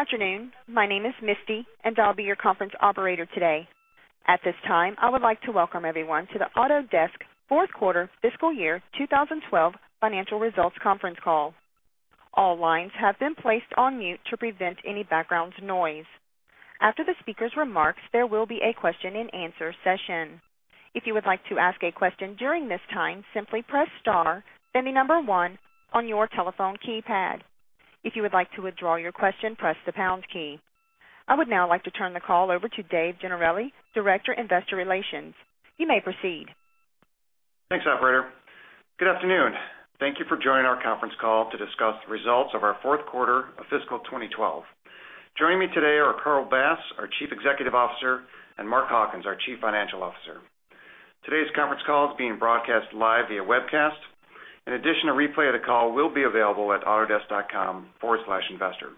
Good afternoon. My name is Misty, and I'll be your conference operator today. At this time, I would like to welcome everyone to the Autodesk Fourth Quarter Fiscal Year 2012 Financial Results Conference Call. All lines have been placed on mute to prevent any background noise. After the speaker's remarks, there will be a question and answer session. If you would like to ask a question during this time, simply press star, then the number one on your telephone keypad. If you would like to withdraw your question, press the pound key. I would now like to turn the call over to Dave Gennarelli, Director of Investor Relations. You may proceed. Thanks, operator. Good afternoon. Thank you for joining our conference call to discuss the results of our Fourth Quarter of Fiscal 2012. Joining me today are Carl Bass, our Chief Executive Officer, and Mark Hawkins, our Chief Financial Officer. Today's conference call is being broadcast live via webcast. In addition, a replay of the call will be available at autodesk.com/investor.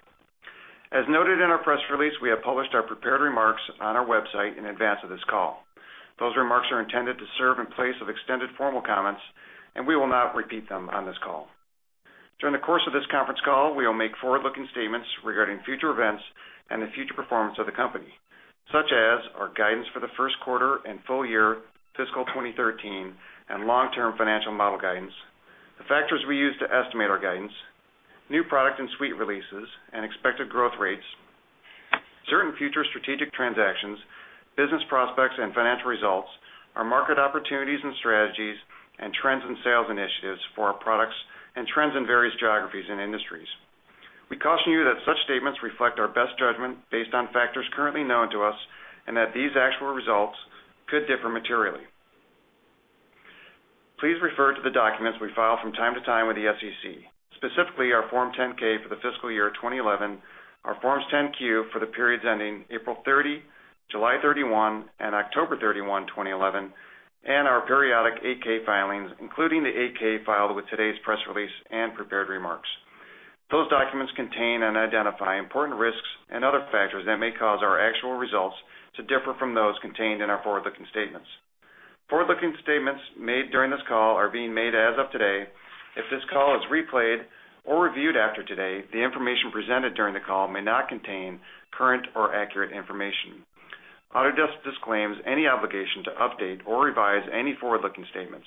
As noted in our press release, we have published our prepared remarks on our website in advance of this call. Those remarks are intended to serve in place of extended formal comments, and we will not repeat them on this call. During the course of this conference call, we will make forward-looking statements regarding future events and the future performance of the company, such as our guidance for the first quarter and full year, fiscal 2013, and long-term financial model guidance, the factors we use to estimate our guidance, new product and suite releases, and expected growth rates, certain future strategic transactions, business prospects, and financial results, our market opportunities and strategies, and trends in sales initiatives for our products, and trends in various geographies and industries. We caution you that such statements reflect our best judgment based on factors currently known to us and that these actual results could differ materially. Please refer to the documents we file from time to time with the SEC, specifically our Form 10-K for the fiscal year 2011, our Forms 10-Q for the periods ending April 30, July 31, and October 31, 2011, and our periodic 8-K filings, including the 8-K filed with today's press release and prepared remarks. Those documents contain and identify important risks and other factors that may cause our actual results to differ from those contained in our forward-looking statements. Forward-looking statements made during this call are being made as of today. If this call is replayed or reviewed after today, the information presented during the call may not contain current or accurate information. Autodesk disclaims any obligation to update or revise any forward-looking statements.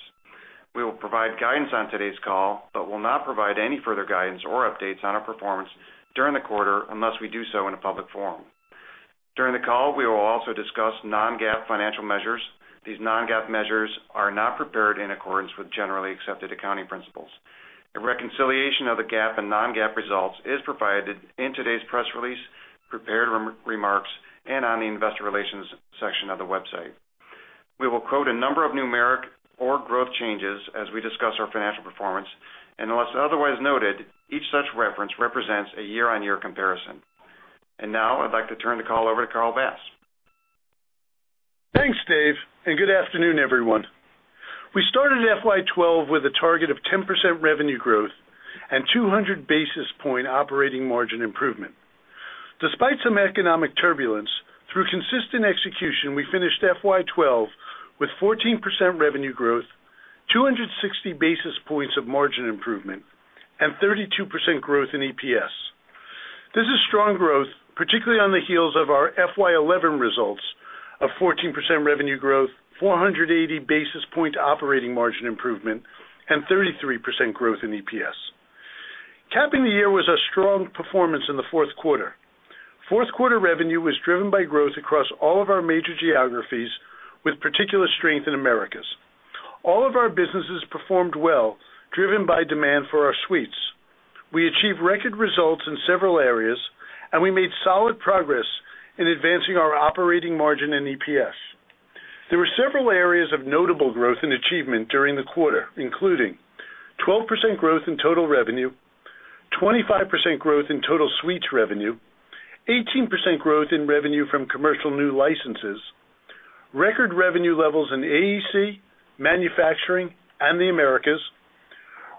We will provide guidance on today's call but will not provide any further guidance or updates on our performance during the quarter unless we do so in a public forum. During the call, we will also discuss non-GAAP financial measures. These non-GAAP measures are not prepared in accordance with generally accepted accounting principles. A reconciliation of the GAAP and non-GAAP results is provided in today's press release, prepared remarks, and on the Investor Relations section of the website. We will quote a number of numeric or growth changes as we discuss our financial performance, and unless otherwise noted, each such reference represents a year-on-year comparison. Now, I'd like to turn the call over to Carl Bass. Thanks, Dave, and good afternoon, everyone. We started FY 2012 with a target of 10% revenue growth and 200 basis point operating margin improvement. Despite some economic turbulence, through consistent execution, we finished FY 2012 with 14% revenue growth, 260 basis points of margin improvement, and 32% growth in EPS. This is strong growth, particularly on the heels of our FY 2011 results of 14% revenue growth, 480 basis point operating margin improvement, and 33% growth in EPS. Capping the year was a strong performance in the fourth quarter. Fourth quarter revenue was driven by growth across all of our major geographies, with particular strength in the Americas. All of our businesses performed well, driven by demand for our suites. We achieved record results in several areas, and we made solid progress in advancing our operating margin and EPS. There were several areas of notable growth and achievement during the quarter, including 12% growth in total revenue, 25% growth in total suites revenue, 18% growth in revenue from commercial new licenses, record revenue levels in AEC, manufacturing, and the Americas,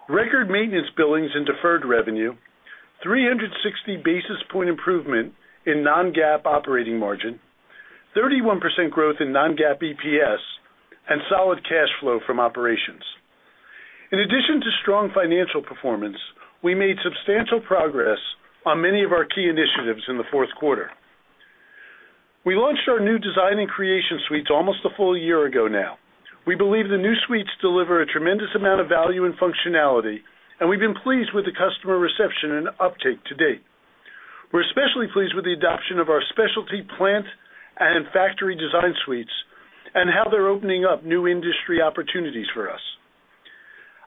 record maintenance billings in deferred revenue, 360 basis point improvement in non-GAAP operating margin, 31% growth in non-GAAP EPS, and solid cash flow from operations. In addition to strong financial performance, we made substantial progress on many of our key initiatives in the fourth quarter. We launched our new design and creation suites almost a full year ago now. We believe the new suites deliver a tremendous amount of value and functionality, and we've been pleased with the customer reception and uptake to date. We're especially pleased with the adoption of our specialty plant and factory design suites and how they're opening up new industry opportunities for us.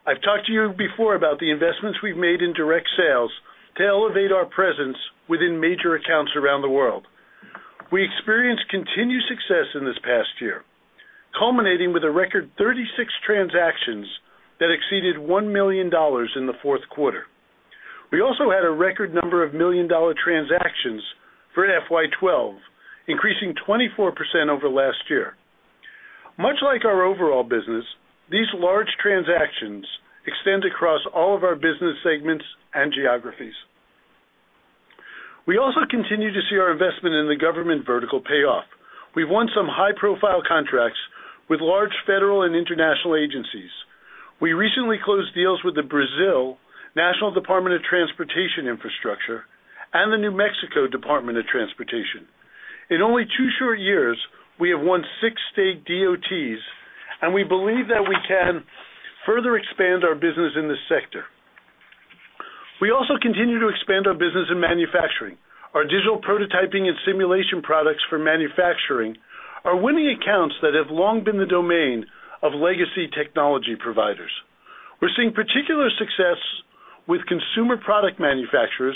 I've talked to you before about the investments we've made in direct sales to elevate our presence within major accounts around the world. We experienced continued success in this past year, culminating with a record 36 transactions that exceeded $1 million in the fourth quarter. We also had a record number of million-dollar transactions for FY 2012, increasing 24% over last year. Much like our overall business, these large transactions extend across all of our business segments and geographies. We also continue to see our investment in the government vertical pay off. We've won some high-profile contracts with large federal and international agencies. We recently closed deals with the Brazil National Department of Transportation Infrastructure and the New Mexico Department of Transportation. In only two short years, we have won six state DOTs, and we believe that we can further expand our business in this sector. We also continue to expand our business in manufacturing. Our digital prototyping and simulation products for manufacturing are winning accounts that have long been the domain of legacy technology providers. We're seeing particular success with consumer product manufacturers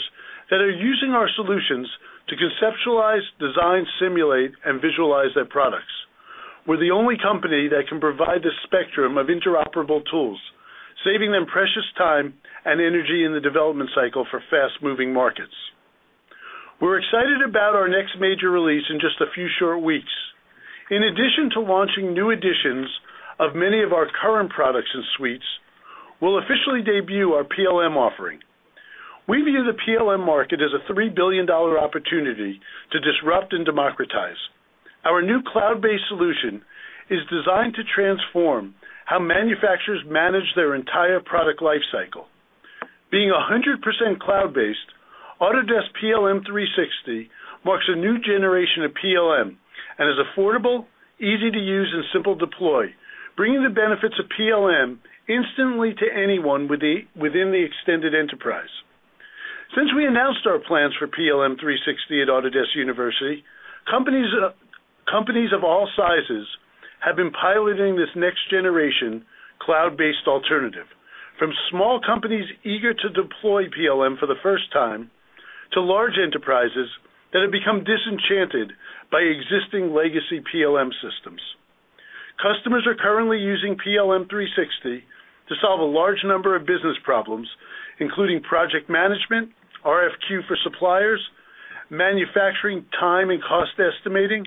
that are using our solutions to conceptualize, design, simulate, and visualize their products. We're the only company that can provide the spectrum of interoperable tools, saving them precious time and energy in the development cycle for fast-moving markets. We're excited about our next major release in just a few short weeks. In addition to launching new editions of many of our current products and suites, we'll officially debut our PLM offering. We view the PLM market as a $3 billion opportunity to disrupt and democratize. Our new cloud-based solution is designed to transform how manufacturers manage their entire product lifecycle. Being 100% cloud-based, Autodesk PLM 360 marks a new generation of PLM and is affordable, easy to use, and simple to deploy, bringing the benefits of PLM instantly to anyone within the extended enterprise. Since we announced our plans for PLM 360 at Autodesk University, companies of all sizes have been piloting this next-generation cloud-based alternative, from small companies eager to deploy PLM for the first time to large enterprises that have become disenchanted by existing legacy PLM systems. Customers are currently using PLM 360 to solve a large number of business problems, including project management, RFQ for suppliers, manufacturing time and cost estimating,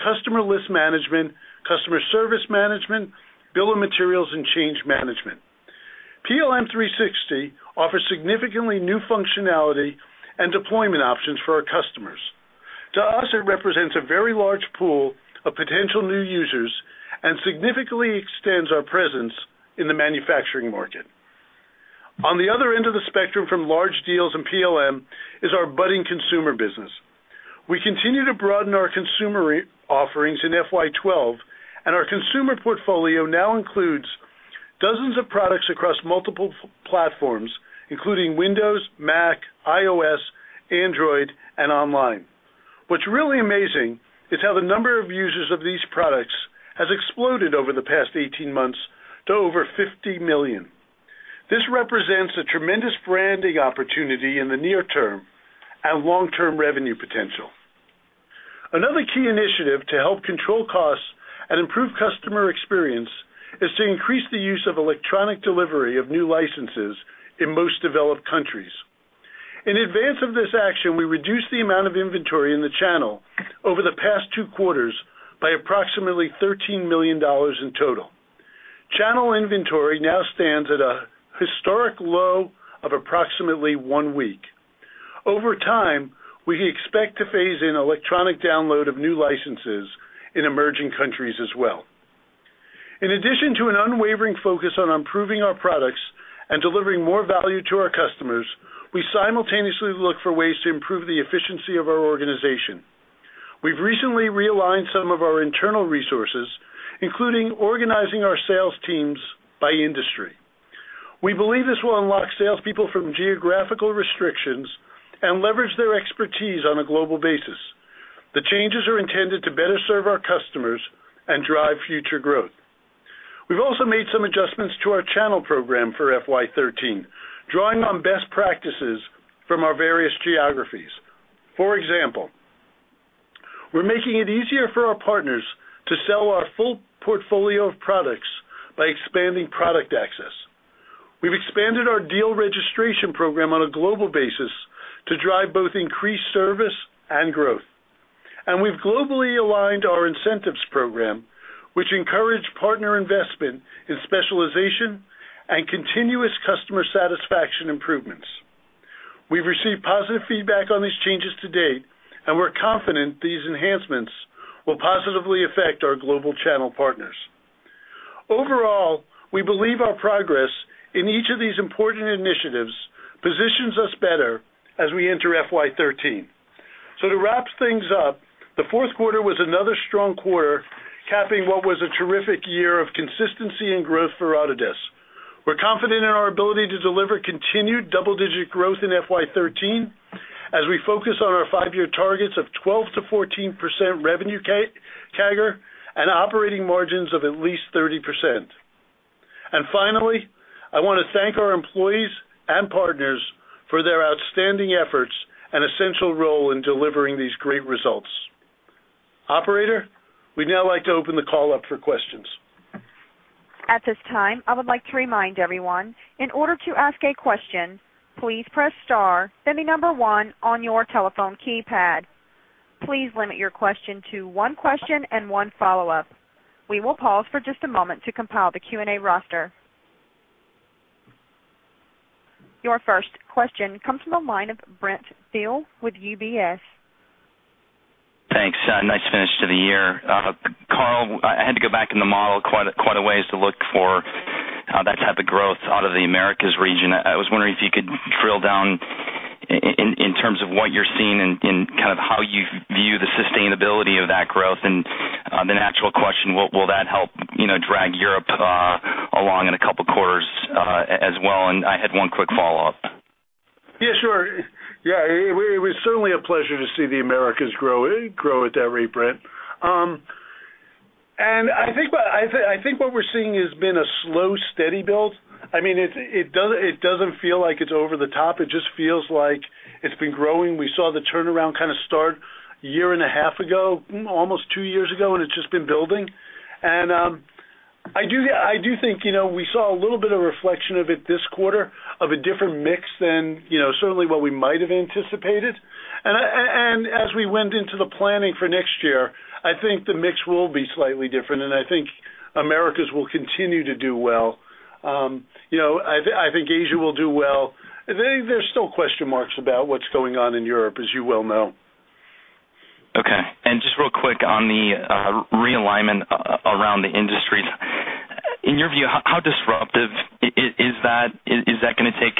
customer list management, customer service management, bill of materials, and change management. PLM 360 offers significantly new functionality and deployment options for our customers. To us, it represents a very large pool of potential new users and significantly extends our presence in the manufacturing market. On the other end of the spectrum from large deals and PLM is our budding consumer business. We continue to broaden our consumer offerings in FY 2012, and our consumer portfolio now includes dozens of products across multiple platforms, including Windows, Mac, iOS, Android, and online. What's really amazing is how the number of users of these products has exploded over the past 18 months to over 50 million. This represents a tremendous branding opportunity in the near term and long-term revenue potential. Another key initiative to help control costs and improve customer experience is to increase the use of electronic delivery of new licenses in most developed countries. In advance of this action, we reduced the amount of inventory in the channel over the past two quarters by approximately $13 million in total. Channel inventory now stands at a historic low of approximately one week. Over time, we expect to phase in electronic download of new licenses in emerging countries as well. In addition to an unwavering focus on improving our products and delivering more value to our customers, we simultaneously look for ways to improve the efficiency of our organization. We've recently realigned some of our internal resources, including organizing our sales teams by industry. We believe this will unlock salespeople from geographical restrictions and leverage their expertise on a global basis. The changes are intended to better serve our customers and drive future growth. We've also made some adjustments to our channel program for FY 2013, drawing on best practices from our various geographies. For example, we're making it easier for our partners to sell our full portfolio of products by expanding product access. We've expanded our deal registration program on a global basis to drive both increased service and growth. We've globally aligned our incentives program, which encourages partner investment in specialization and continuous customer satisfaction improvements. We've received positive feedback on these changes to date, and we're confident these enhancements will positively affect our global channel partners. Overall, we believe our progress in each of these important initiatives positions us better as we enter FY 2013. To wrap things up, the fourth quarter was another strong quarter, capping what was a terrific year of consistency and growth for Autodesk. We're confident in our ability to deliver continued double-digit growth in FY 2013 as we focus on our five-year targets of 12% to 14% revenue CAGR and operating margins of at least 30%. Finally, I want to thank our employees and partners for their outstanding efforts and essential role in delivering these great results. Operator, we'd now like to open the call up for questions. At this time, I would like to remind everyone, in order to ask a question, please press star, then the number one on your telephone keypad. Please limit your question to one question and one follow-up. We will pause for just a moment to compile the Q&A roster. Your first question comes from the line of Bret Thill with UBS. Thanks. Nice finish to the year. Carl, I had to go back in the model quite a ways to look for that type of growth out of the Americas region. I was wondering if you could drill down in terms of what you're seeing and kind of how you view the sustainability of that growth. The natural question, will that help drag Europe along in a couple of quarters as well? I had one quick follow-up. Yeah, sure. It was certainly a pleasure to see the Americas grow at that rate, Bret. I think what we're seeing has been a slow, steady build. It doesn't feel like it's over the top. It just feels like it's been growing. We saw the turnaround kind of start a year and a half ago, almost two years ago, and it's just been building. I do think we saw a little bit of a reflection of it this quarter of a different mix than certainly what we might have anticipated. As we went into the planning for next year, I think the mix will be slightly different, and I think Americas will continue to do well. I think Asia will do well. There's still question marks about what's going on in Europe, as you well know. Okay. Just real quick on the realignment around the industries. In your view, how disruptive is that? Is that going to take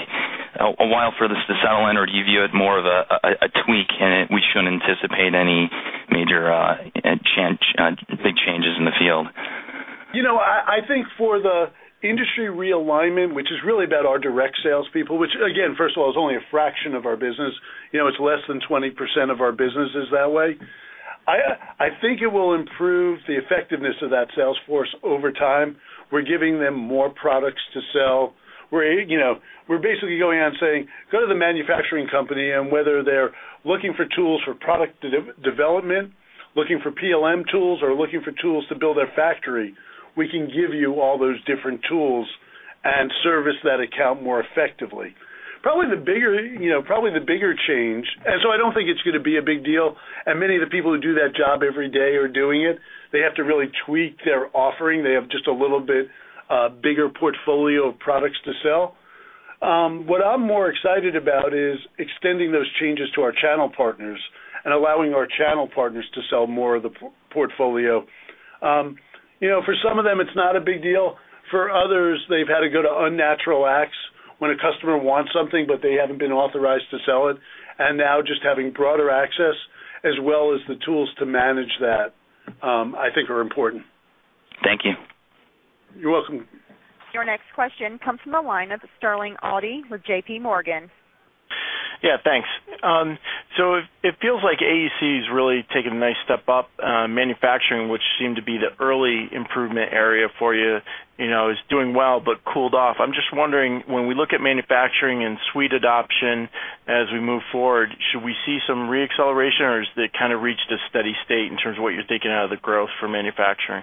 a while for this to settle in, or do you view it more of a tweak and we shouldn't anticipate any major big changes in the field? I think for the industry realignment, which is really about our direct salespeople, which again, first of all, is only a fraction of our business. You know, it's less than 20% of our business is that way. I think it will improve the effectiveness of that sales force over time. We're giving them more products to sell. We're basically going out and saying, go to the manufacturing company and whether they're looking for tools for product development, looking for PLM tools, or looking for tools to build their factory, we can give you all those different tools and service that account more effectively. Probably the bigger change, I don't think it's going to be a big deal. Many of the people who do that job every day are doing it. They have to really tweak their offering. They have just a little bit bigger portfolio of products to sell. What I'm more excited about is extending those changes to our channel partners and allowing our channel partners to sell more of the portfolio. For some of them, it's not a big deal. For others, they've had to go to unnatural acts when a customer wants something, but they haven't been authorized to sell it. Now just having broader access, as well as the tools to manage that, I think are important. Thank you. You're welcome. Your next question comes from the line of Sterling Auty with JPMorgan. Thanks. It feels like AEC has really taken a nice step up. Manufacturing, which seemed to be the early improvement area for you, is doing well but cooled off. I'm just wondering, when we look at manufacturing and suite adoption as we move forward, should we see some re-acceleration or has it kind of reached a steady state in terms of what you're thinking out of the growth for manufacturing?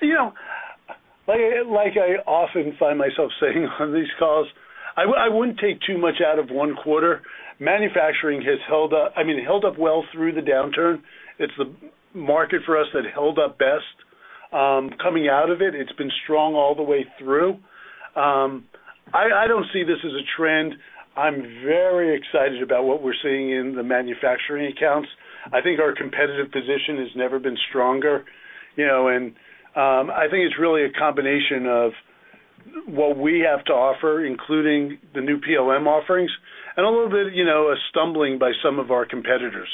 Like I often find myself saying on these calls, I wouldn't take too much out of one quarter. Manufacturing has held up, I mean, held up well through the downturn. It's the market for us that held up best. Coming out of it, it's been strong all the way through. I don't see this as a trend. I'm very excited about what we're seeing in the manufacturing accounts. I think our competitive position has never been stronger. I think it's really a combination of what we have to offer, including the new Autodesk PLM 360 offerings, and a little bit of stumbling by some of our competitors.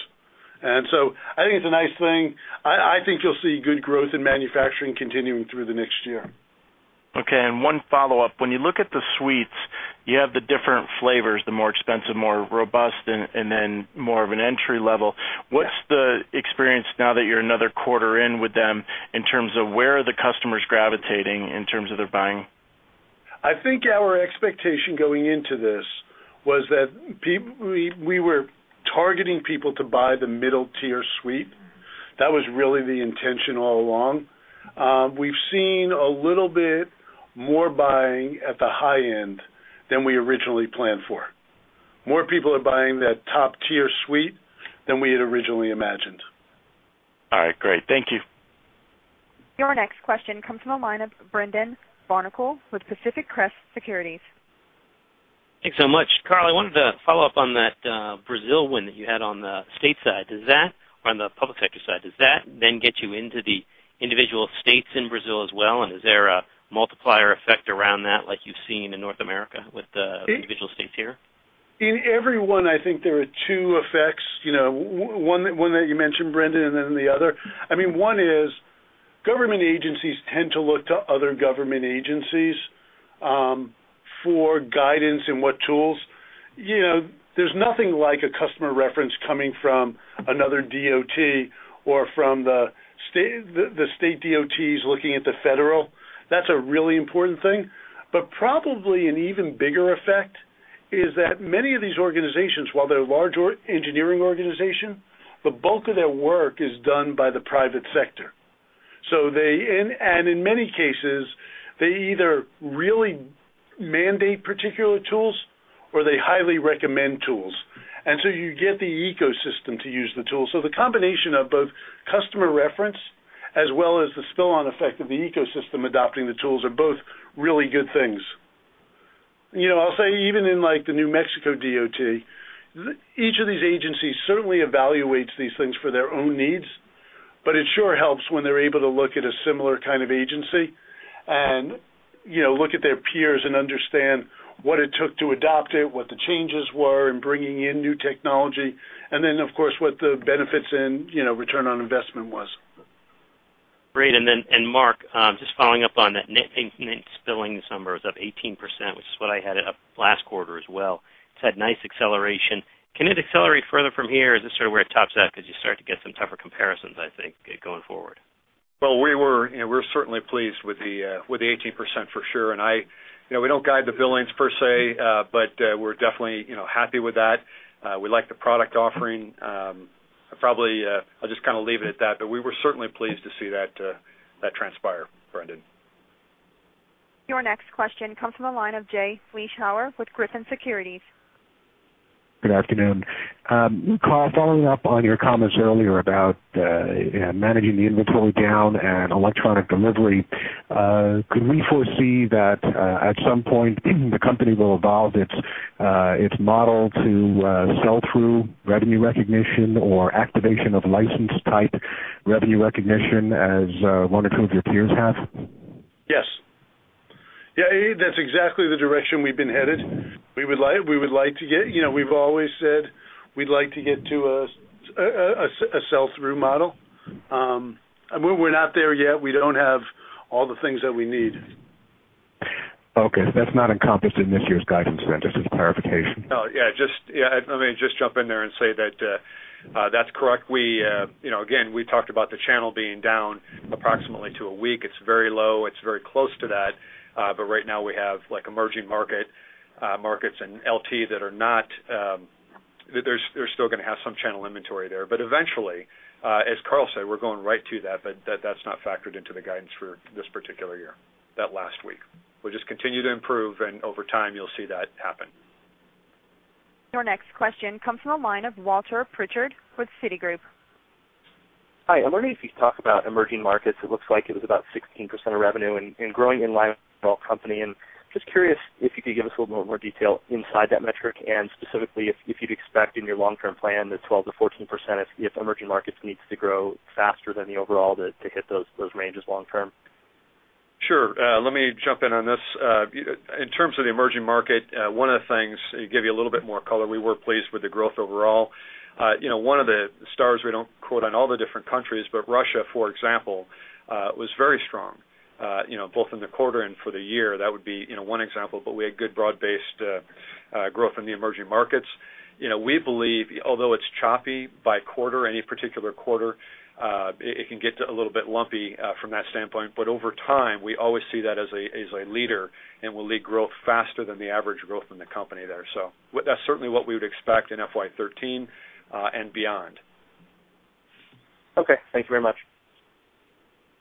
I think it's a nice thing. I think you'll see good growth in manufacturing continuing through the next year. Okay. One follow-up. When you look at the suites, you have the different flavors: the more expensive, more robust, and then more of an entry level. What's the experience now that you're another quarter in with them in terms of where are the customers gravitating in terms of their buying? I think our expectation going into this was that we were targeting people to buy the middle-tier suite. That was really the intention all along. We've seen a little bit more buying at the high end than we originally planned for. More people are buying that top-tier suite than we had originally imagined. All right, great. Thank you. Your next question comes from the line of Brendan Barnacle with Pacific Crest Securities. Thanks so much. Carl, I wanted to follow up on that Brazil win that you had on the state side. Does that, or on the public sector side, get you into the individual states in Brazil as well? Is there a multiplier effect around that like you've seen in North America with the individual states here? In every one, I think there are two effects. You know, one that you mentioned, Brendan, and then the other. I mean, one is government agencies tend to look to other government agencies for guidance and what tools. You know, there's nothing like a customer reference coming from another DOT or from the state DOTs looking at the federal. That's a really important thing. Probably an even bigger effect is that many of these organizations, while they're a large engineering organization, the bulk of their work is done by the private sector. They, and in many cases, either really mandate particular tools or they highly recommend tools, and you get the ecosystem to use the tools. The combination of both customer reference as well as the spill-on effect of the ecosystem adopting the tools are both really good things. I'll say even in like the New Mexico Department of Transportation, each of these agencies certainly evaluates these things for their own needs, but it sure helps when they're able to look at a similar kind of agency and, you know, look at their peers and understand what it took to adopt it, what the changes were in bringing in new technology, and then, of course, what the benefits and, you know, return on investment was. Great. Mark, just following up on that, NIT's billing this number was up 18%, which is what I had up last quarter as well. It's had nice acceleration. Can it accelerate further from here? Is this sort of where it tops out? You start to get some tougher comparisons, I think, going forward. We were certainly pleased with the 18% for sure. I, you know, we don't guide the billings per se, but we're definitely, you know, happy with that. We like the product offering. I'll just kind of leave it at that. We were certainly pleased to see that transpire, Brendan. Your next question comes from a line of Jay Vleeschhouwer with Griffin Securities. Good afternoon. Carl, following up on your comments earlier about managing the inventory down and electronic license delivery, could we foresee that at some point the company will evolve its model to sell-through revenue recognition or activation of license-type revenue recognition as one or two of your peers have? Yes, that's exactly the direction we've been headed. We would like to get, you know, we've always said we'd like to get to a sell-through model. We're not there yet. We don't have all the things that we need. Okay, that's not encompassed in this year's guidance, then. Just as clarification. Yeah, let me just jump in there and say that that's correct. We, you know, again, we talked about the channel being down approximately to a week. It's very low. It's very close to that. Right now, we have emerging markets and LT that are not, they're still going to have some channel inventory there. Eventually, as Carl said, we're going right to that, but that's not factored into the guidance for this particular year, that last week. We'll just continue to improve, and over time, you'll see that happen. Your next question comes from a line of Walter Pritchard with Citigroup. Hi. I'm wondering if you could talk about emerging markets. It looks like it was about 16% of revenue and growing in line with the overall company. I'm just curious if you could give us a little bit more detail inside that metric and specifically if you'd expect in your long-term plan the 12%-14% if emerging markets need to grow faster than the overall to hit those ranges long-term. Sure. Let me jump in on this. In terms of the emerging market, one of the things, to give you a little bit more color, we were pleased with the growth overall. One of the stars, we don't quote on all the different countries, but Russia, for example, was very strong, both in the quarter and for the year. That would be one example. We had good broad-based growth in the emerging markets. We believe, although it's choppy by quarter, any particular quarter, it can get a little bit lumpy from that standpoint. Over time, we always see that as a leader and will lead growth faster than the average growth in the company there. That's certainly what we would expect in FY 2013 and beyond. Okay, thank you very much.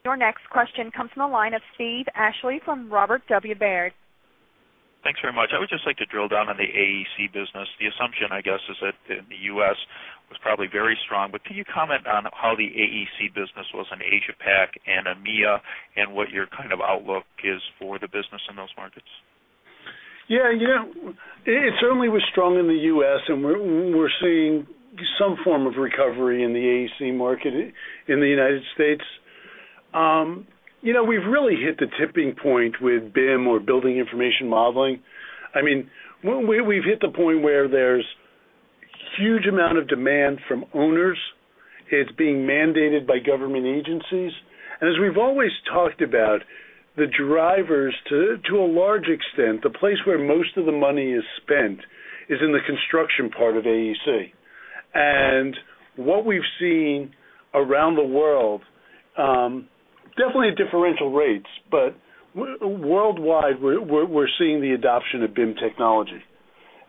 Your next question comes from a line of Steve Ashley from Robert W. Baird. Thanks very much. I would just like to drill down on the AEC business. The assumption, I guess, is that the U.S. was probably very strong, but can you comment on how the AEC business was in Asia-Pac and EMEA, and what your kind of outlook is for the business in those markets? Yeah, you know, it certainly was strong in the U.S., and we're seeing some form of recovery in the AEC market in the United States. We've really hit the tipping point with BIM, or building information modeling. I mean, we've hit the point where there's a huge amount of demand from owners. It's being mandated by government agencies. As we've always talked about, the drivers, to a large extent, the place where most of the money is spent is in the construction part of AEC. What we've seen around the world, definitely at differential rates, but worldwide, we're seeing the adoption of BIM technology.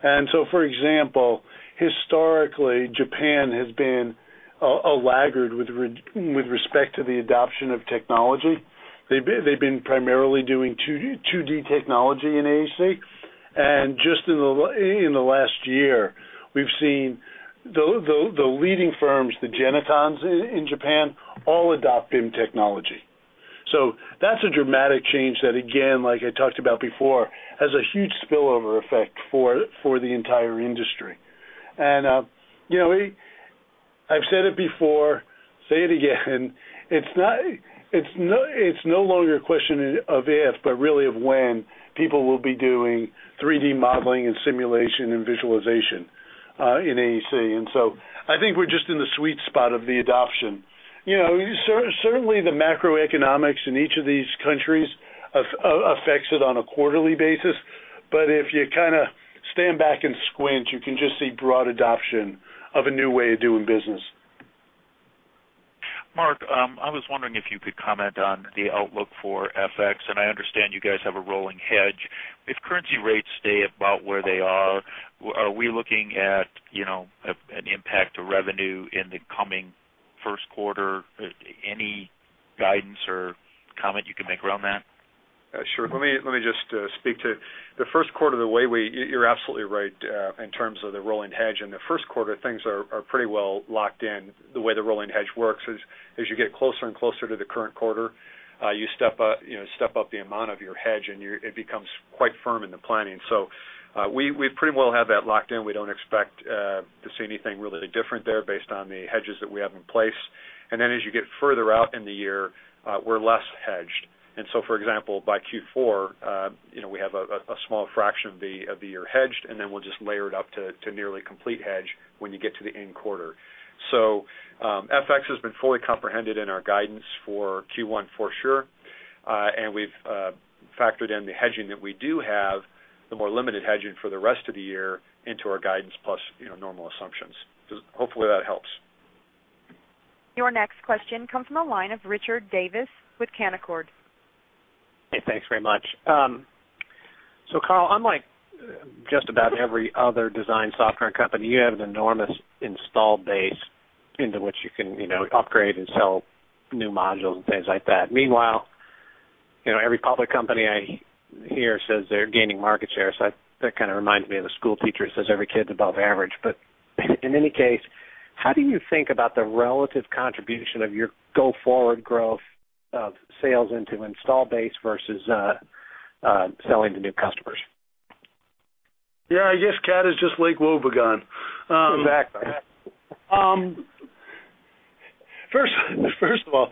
For example, historically, Japan has been a laggard with respect to the adoption of technology. They've been primarily doing 2D technology in AEC. Just in the last year, we've seen the leading firms, the Genitons in Japan, all adopt BIM technology. That's a dramatic change that, again, like I talked about before, has a huge spillover effect for the entire industry. I've said it before, say it again. It's no longer a question of if, but really of when people will be doing 3D modeling and simulation and visualization in AEC. I think we're just in the sweet spot of the adoption. Certainly, the macroeconomics in each of these countries affect it on a quarterly basis. If you kind of stand back and squint, you can just see broad adoption of a new way of doing business. Mark, I was wondering if you could comment on the outlook for FX. I understand you guys have a rolling hedge. If currency rates stay about where they are, are we looking at, you know, an impact to revenue in the coming first quarter? Any guidance or comment you can make around that? Sure. Let me just speak to the first quarter. You're absolutely right in terms of the rolling hedge. In the first quarter, things are pretty well locked in. The way the rolling hedge works is as you get closer and closer to the current quarter, you step up the amount of your hedge, and it becomes quite firm in the planning. We pretty well have that locked in. We don't expect to see anything really different there based on the hedges that we have in place. As you get further out in the year, we're less hedged. For example, by Q4, we have a small fraction of the year hedged, and then we'll just layer it up to nearly complete hedge when you get to the end quarter. FX has been fully comprehended in our guidance for Q1 for sure. We've factored in the hedging that we do have, the more limited hedging for the rest of the year, into our guidance plus normal assumptions. Hopefully, that helps. Your next question comes from a line of Richard Davis with Canaccord. Hey, thanks very much. Carl, unlike just about every other design software company, you have an enormous install base into which you can upgrade and sell new modules and things like that. Meanwhile, every public company I hear says they're gaining market share. That kind of reminds me of the school teacher who says every kid's above average. In any case, how do you think about the relative contribution of your go-forward growth of sales into install base versus selling to new customers? Yeah, I guess CAD is just like Wobegon. Exactly. First of all,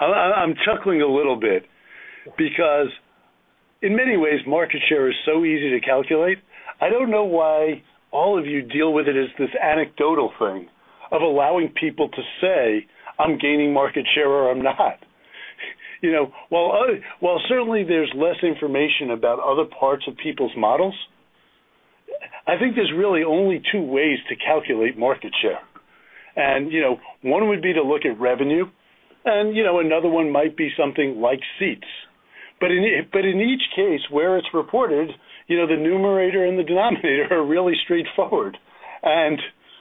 I'm chuckling a little bit because in many ways, market share is so easy to calculate. I don't know why all of you deal with it as this anecdotal thing of allowing people to say, "I'm gaining market share or I'm not." While certainly there's less information about other parts of people's models, I think there's really only two ways to calculate market share. One would be to look at revenue, and another one might be something like seats. In each case, where it's reported, the numerator and the denominator are really straightforward.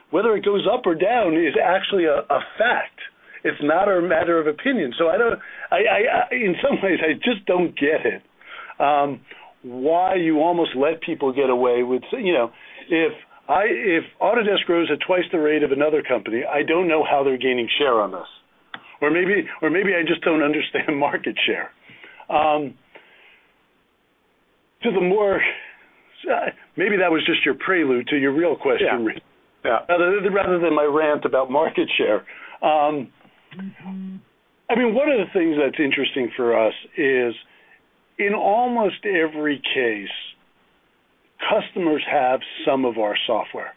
Whether it goes up or down is actually a fact. It's not a matter of opinion. I just don't get it. You almost let people get away with, you know, if Autodesk grows at twice the rate of another company, I don't know how they're gaining share on this. Or maybe I just don't understand market share. Maybe that was just your prelude to your real question. Yeah. Rather than my rant about market share, one of the things that's interesting for us is in almost every case, customers have some of our software.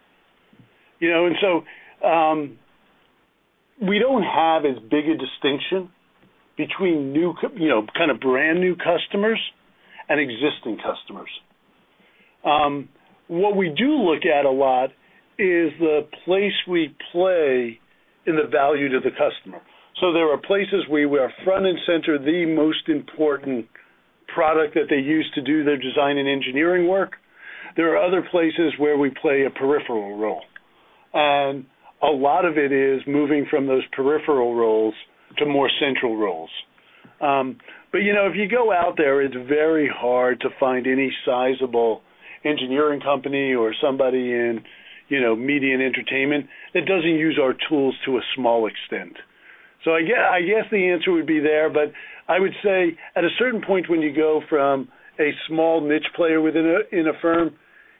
You know, we don't have as big a distinction between new, you know, kind of brand new customers and existing customers. What we do look at a lot is the place we play in the value to the customer. There are places where we are front and center, the most important product that they use to do their design and engineering work. There are other places where we play a peripheral role. A lot of it is moving from those peripheral roles to more central roles. If you go out there, it's very hard to find any sizable engineering company or somebody in media and entertainment that doesn't use our tools to a small extent. I guess the answer would be there, but I would say at a certain point when you go from a small niche player within a firm,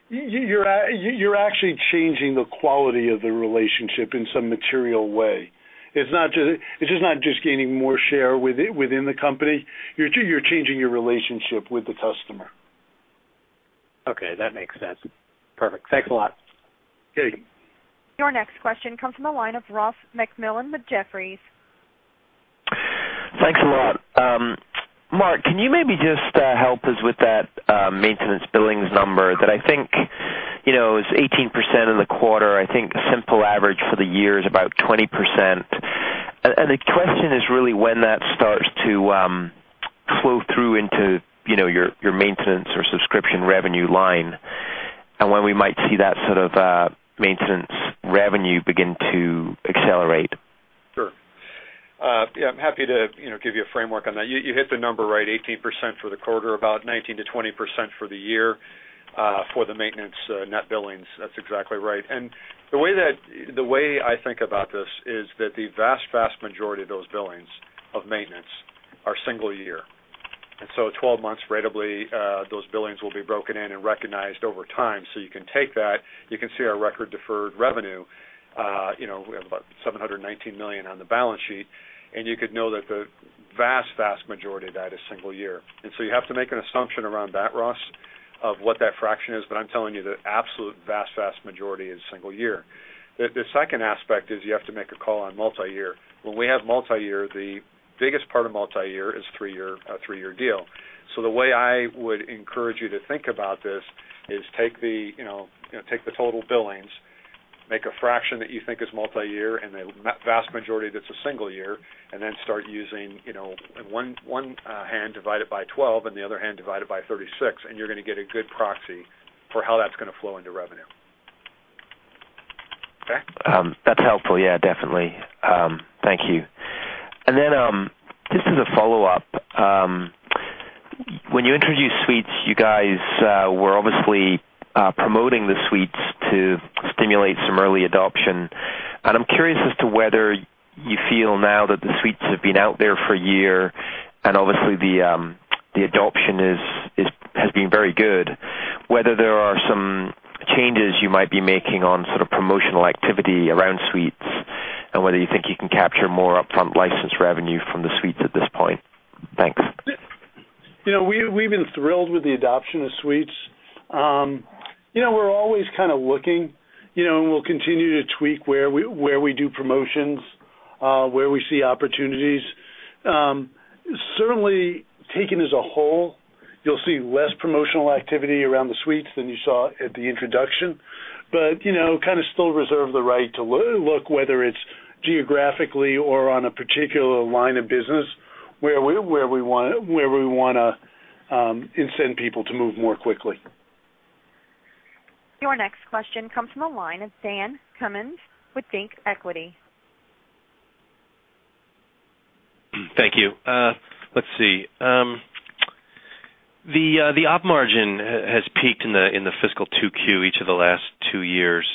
you're actually changing the quality of the relationship in some material way. It's not just gaining more share within the company. You're changing your relationship with the customer. Okay, that makes sense. Perfect. Thanks a lot. Okay. Your next question comes from a line of Ross MacMillan with Jefferies. Thanks a lot. Mark, can you maybe just help us with that maintenance billings number that I think is 18% in the quarter? I think the simple average for the year is about 20%. The question is really when that starts to flow through into your maintenance or subscription revenue line and when we might see that sort of maintenance revenue begin to accelerate. Sure. Yeah, I'm happy to give you a framework on that. You hit the number right, 18% for the quarter, about 19%-20% for the year for the maintenance net billings. That's exactly right. The way I think about this is that the vast, vast majority of those billings of maintenance are single year. For 12 months, rateably, those billings will be broken in and recognized over time. You can take that. You can see our record deferred revenue. We have about $719 million on the balance sheet. You could know that the vast, vast majority of that is single year. You have to make an assumption around that, Ross, of what that fraction is. I'm telling you the absolute vast, vast majority is single year. The second aspect is you have to make a call on multi-year. When we have multi-year, the biggest part of multi-year is a three-year deal. The way I would encourage you to think about this is take the total billings, make a fraction that you think is multi-year, and the vast majority that's a single year, and then start using, in one hand divide it by 12 and the other hand divide it by 36. You're going to get a good proxy for how that's going to flow into revenue. Okay. That's helpful. Thank you. Just as a follow-up, when you introduced suites, you guys were obviously promoting the suites to stimulate some early adoption. I'm curious as to whether you feel now that the suites have been out there for a year and obviously the adoption has been very good, whether there are some changes you might be making on sort of promotional activity around suites and whether you think you can capture more upfront license revenue from the suites at this point. Thanks. We've been thrilled with the adoption of suites. We're always kind of looking, and we'll continue to tweak where we do promotions, where we see opportunities. Certainly, taken as a whole, you'll see less promotional activity around the suites than you saw at the introduction. We still reserve the right to look whether it's geographically or on a particular line of business where we want to incent people to move more quickly. Your next question comes from a line of Dan Cummins with Baird Equity. Thank you. Let's see. The operating margin has peaked in the fiscal second quarter each of the last two years.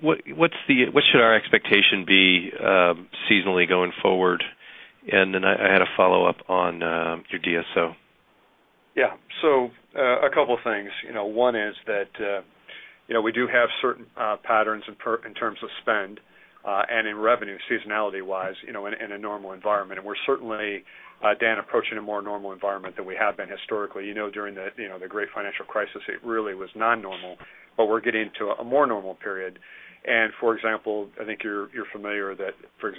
What should our expectation be seasonally going forward? I had a follow-up on your DSO. Yeah. A couple of things. One is that we do have certain patterns in terms of spend and in revenue seasonality-wise in a normal environment. We're certainly, Dan, approaching a more normal environment than we have been historically. During the great financial crisis, it really was non-normal, but we're getting into a more normal period. For example, I think you're familiar that in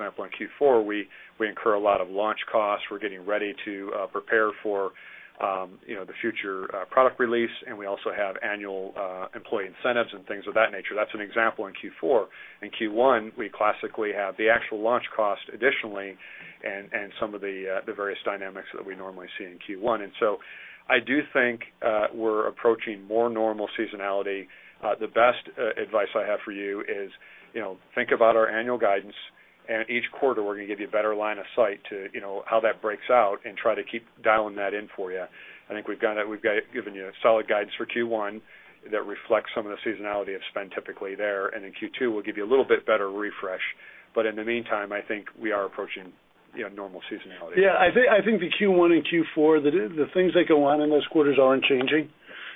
Q4, we incur a lot of launch costs. We're getting ready to prepare for the future product release. We also have annual employee incentives and things of that nature. That's an example in Q4. In Q1, we classically have the actual launch cost additionally and some of the various dynamics that we normally see in Q1. I do think we're approaching more normal seasonality. The best advice I have for you is think about our annual guidance. Each quarter, we're going to give you a better line of sight to how that breaks out and try to keep dialing that in for you. I think we've given you solid guidance for Q1 that reflects some of the seasonality of spend typically there. In Q2, we'll give you a little bit better refresh. In the meantime, I think we are approaching normal seasonality. Yeah, I think the Q1 and Q4, the things that go on in those quarters aren't changing.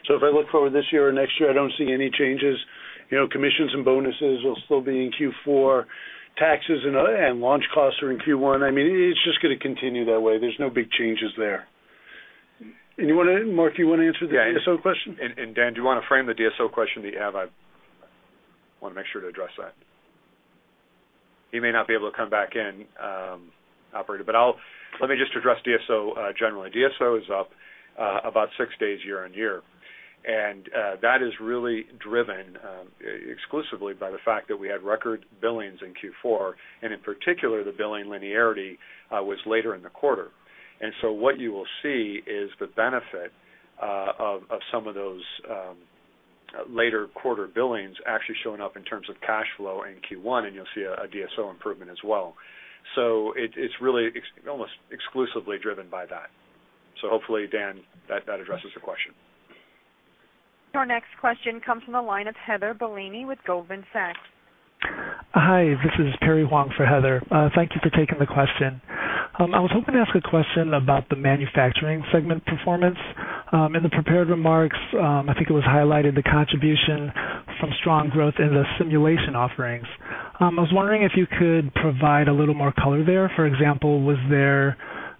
If I look forward this year or next year, I don't see any changes. You know, commissions and bonuses will still be in Q4. Taxes and launch costs are in Q1. I mean, it's just going to continue that way. There's no big changes there. Anyone? Mark, do you want to answer the DSO question? Dan, do you want to frame the DSO question that you have? I want to make sure to address that. He may not be able to come back in, operator. Let me just address DSO generally. DSO is up about six days year on year, and that is really driven exclusively by the fact that we had record billings in Q4. In particular, the billing linearity was later in the quarter. What you will see is the benefit of some of those later quarter billings actually showing up in terms of cash flow in Q1, and you'll see a DSO improvement as well. It is really almost exclusively driven by that. Hopefully, Dan, that addresses the question. Your next question comes from a line of Heather Bellini with Goldman Sachs. Hi, this is Terry Wong for Heather. Thank you for taking the question. I was hoping to ask a question about the manufacturing segment performance. In the prepared remarks, I think it was highlighted the contribution from strong growth in the simulation offerings. I was wondering if you could provide a little more color there. For example, was there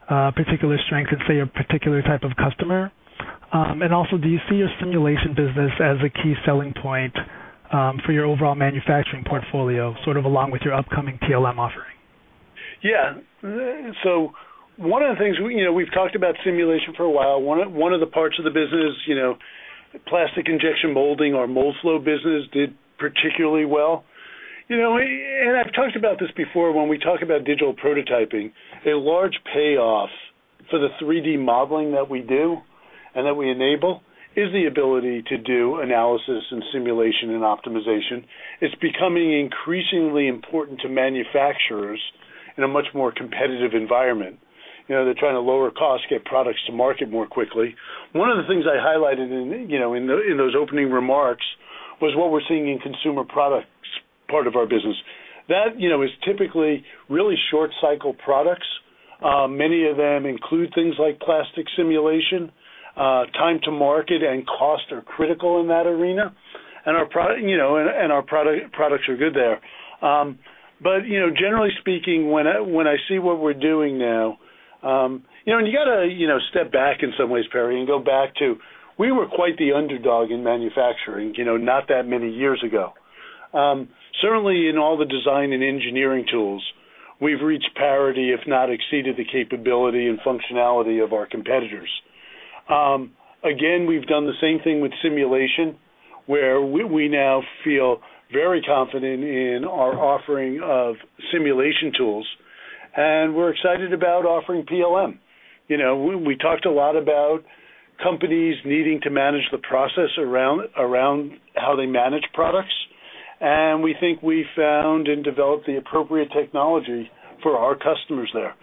a particular strength in, say, a particular type of customer? Also, do you see your simulation business as a key selling point for your overall manufacturing portfolio, sort of along with your upcoming PLM offering? Yeah. One of the things we've talked about is simulation. One of the parts of the business, plastic injection molding or mold flow business, did particularly well. I've talked about this before when we talk about digital prototyping. A large payoff for the 3D modeling that we do and that we enable is the ability to do analysis, simulation, and optimization. It's becoming increasingly important to manufacturers in a much more competitive environment. They're trying to lower costs, get products to market more quickly. One of the things I highlighted in those opening remarks was what we're seeing in the consumer products part of our business. That is typically really short-cycle products. Many of them include things like plastic simulation. Time to market and cost are critical in that arena, and our products are good there. Generally speaking, when I see what we're doing now, you have to step back in some ways, Perry, and go back to when we were quite the underdog in manufacturing not that many years ago. Certainly, in all the design and engineering tools, we've reached parity, if not exceeded the capability and functionality of our competitors. We've done the same thing with simulation, where we now feel very confident in our offering of simulation tools. We're excited about offering PLM. We talked a lot about companies needing to manage the process around how they manage products, and we think we found and developed the appropriate technology for our customers there.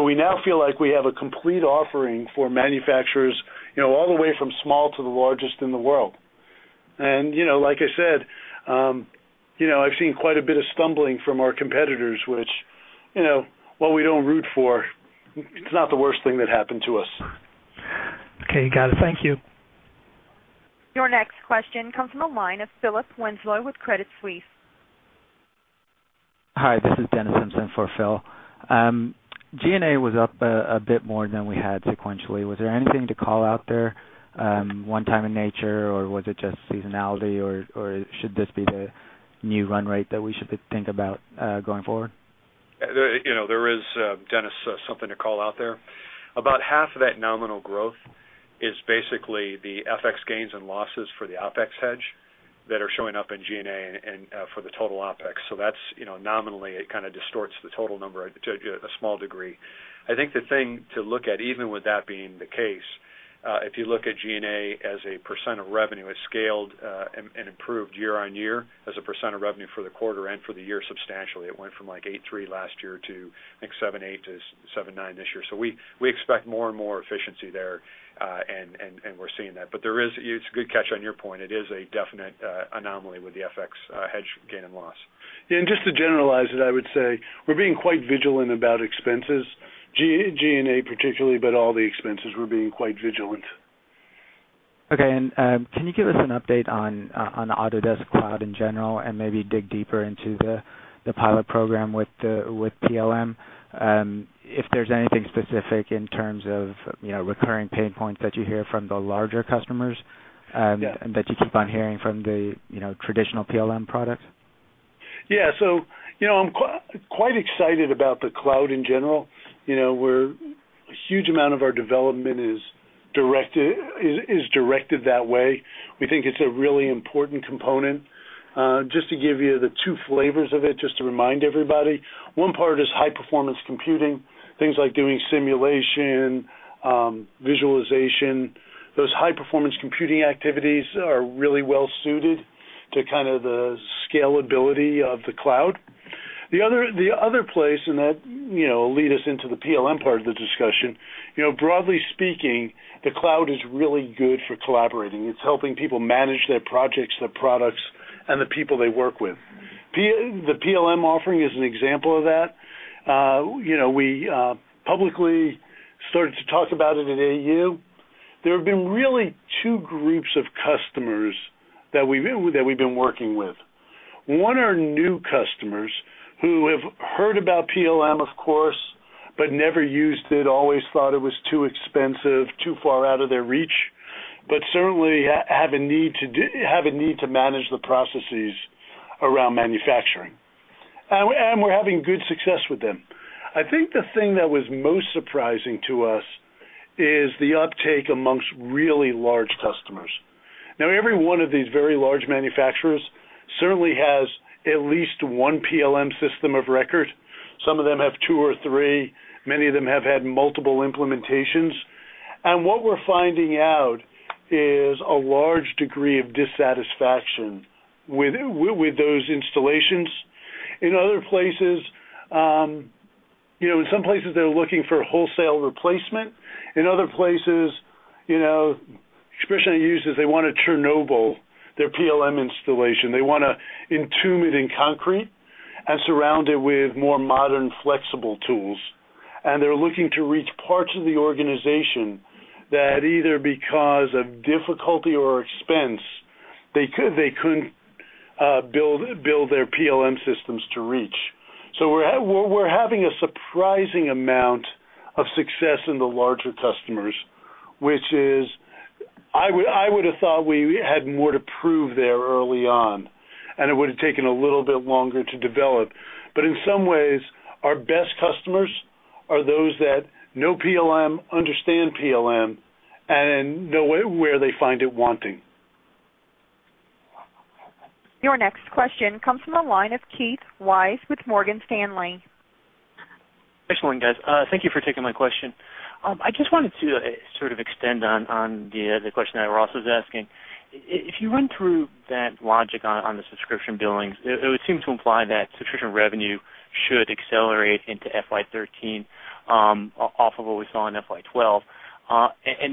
We now feel like we have a complete offering for manufacturers, all the way from small to the largest in the world. Like I said, I've seen quite a bit of stumbling from our competitors, which, while we don't root for, it's not the worst thing that happened to us. Okay, got it. Thank you. Your next question comes from a line of Philip Winslow with Credit Suisse. Hi, this is Dennis Simpson for Phil. G&A was up a bit more than we had sequentially. Was there anything to call out there, one time in nature, or was it just seasonality, or should this be the new run rate that we should think about going forward? Yeah, you know, there is, Dennis, something to call out there. About half of that nominal growth is basically the FX gains and losses for the OpEx hedge that are showing up in G&A and for the total OpEx. That's nominally, it kind of distorts the total number to a small degree. I think the thing to look at, even with that being the case, if you look at G&A as a percent of revenue, it scaled and improved year on year as a % of revenue for the quarter and for the year substantially. It went from like 8.3% last year to, I think, 7.8%-7.9% this year. We expect more and more efficiency there, and we're seeing that. There is, it's a good catch on your point. It is a definite anomaly with the FX hedge gain and loss. Yeah, just to generalize it, I would say we're being quite vigilant about expenses, G&A particularly, but all the expenses, we're being quite vigilant. Okay, can you give us an update on Autodesk Cloud in general and maybe dig deeper into the pilot program with PLM? If there's anything specific in terms of recurring pain points that you hear from the larger customers and that you keep on hearing from the traditional PLM products? Yeah, so, you know, I'm quite excited about the cloud in general. A huge amount of our development is directed that way. We think it's a really important component. Just to give you the two flavors of it, just to remind everybody, one part is high-performance computing, things like doing simulation, visualization. Those high-performance computing activities are really well suited to the scalability of the cloud. The other place, and that will lead us into the PLM part of the discussion, broadly speaking, the cloud is really good for collaborating. It's helping people manage their projects, their products, and the people they work with. The PLM offering is an example of that. We publicly started to talk about it in AU. There have been really two groups of customers that we've been working with. One are new customers who have heard about PLM, of course, but never used it, always thought it was too expensive, too far out of their reach, but certainly have a need to manage the processes around manufacturing. We're having good success with them. I think the thing that was most surprising to us is the uptake amongst really large customers. Now, every one of these very large manufacturers certainly has at least one PLM system of record. Some of them have two or three. Many of them have had multiple implementations. What we're finding out is a large degree of dissatisfaction with those installations. In other places, in some places, they're looking for wholesale replacement. In other places, especially end users, they want to Chernobyl their PLM installation. They want to entomb it in concrete and surround it with more modern, flexible tools. They're looking to reach parts of the organization that either because of difficulty or expense, they couldn't build their PLM systems to reach. We're having a surprising amount of success in the larger customers, which is I would have thought we had more to prove there early on. It would have taken a little bit longer to develop. In some ways, our best customers are those that know PLM, understand PLM, and know where they find it wanting. Your next question comes from a line of Keith Weiss with Morgan Stanley. Excellent, guys. Thank you for taking my question. I just wanted to sort of extend on the question that Ross was asking. If you run through that logic on the subscription billings, it would seem to imply that subscription revenue should accelerate into FY 2013 off of what we saw in FY 2012.